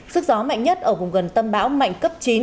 sức gió mạnh nhất ở vùng gần tâm bão mạnh cấp chín